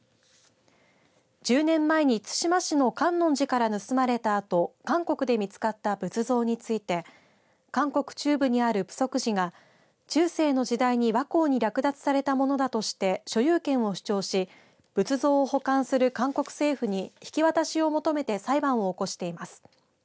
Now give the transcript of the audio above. １０年前に対馬市の観音寺から盗まれたあと韓国で見つかった仏像について韓国中部にあるプソク寺が中世の時代に倭寇に略奪されたものだとして所有権を主張し仏像を保管する韓国政府に引き渡しを求めて裁判を起こしています。